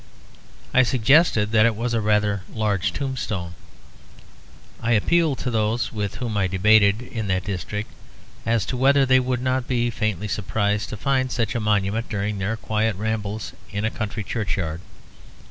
I suggested that it was a rather large tombstone. I appealed to those with whom I debated in that district, as to whether they would not be faintly surprised to find such a monument during their quiet rambles in a country churchyard.